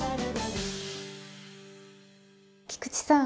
菊池さん